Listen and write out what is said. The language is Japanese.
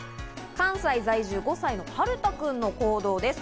関西在住５歳のはるたくんの行動です。